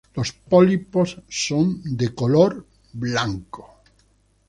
Los pólipos son de color blanco.